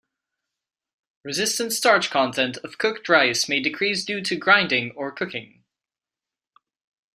Resistant starch content of cooked rice may decrease due to grinding or cooking.